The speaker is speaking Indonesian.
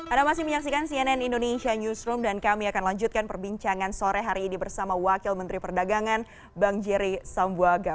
anda masih menyaksikan cnn indonesia newsroom dan kami akan lanjutkan perbincangan sore hari ini bersama wakil menteri perdagangan bang jerry sambuaga